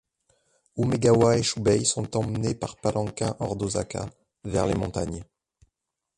Umegawa et Chubei sont emmenés par palanquin hors d'Osaka, vers les montagnes.